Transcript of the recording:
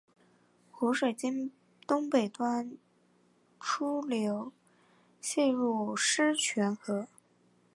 湖水经东北端出流泄入狮泉河。